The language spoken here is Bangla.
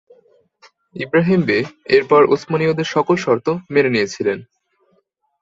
ইবরাহিম বে এরপর উসমানীয়দের সকল শর্ত মেনে নিয়েছিলেন।